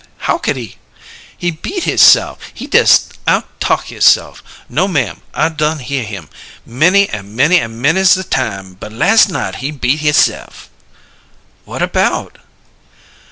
How could he " "He beat hisse'f! He dess out talk hisse'f! No, ma'am; I done hear him many an' many an' many's the time, but las' night he beat hisse'f." "What about?"